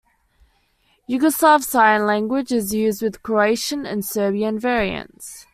Yugoslav Sign Language is used with Croatian and Serbian variants.